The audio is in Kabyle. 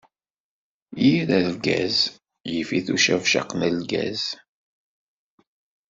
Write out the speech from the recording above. Yir rgaz, yif-it ucabcaq n lgaz.